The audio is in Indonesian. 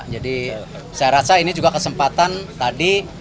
jadi saya rasa ini juga kesempatan tadi